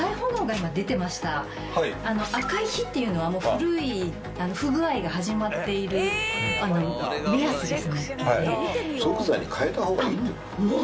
赤い火っていうのはもう古い不具合が始まっている目安です。